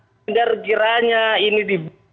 biar kiranya ini di